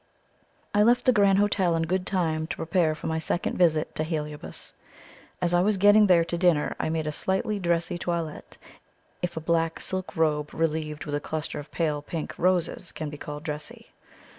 I left the Grand Hotel in good time to prepare for my second visit to Heliobas. As I was going there to dinner I made a slightly dressy toilette, if a black silk robe relieved with a cluster of pale pink roses can be called dressy.